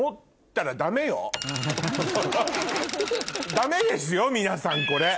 ダメですよ皆さんこれ。